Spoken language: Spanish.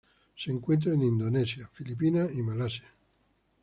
Se encuentra en Indonesia, Filipinas y Malasia.